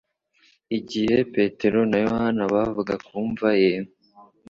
igihe petero na yohana bavaga ku mva ye